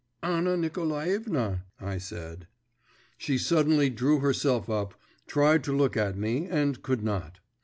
… 'Anna Nikolaevna,' I said. She suddenly drew herself up, tried to look at me, and could not.